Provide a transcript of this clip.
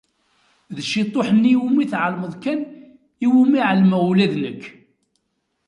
D ciṭuḥ-nni iwumi tɛelmeḍ kan iwumi ɛelmeɣ ula d nekk.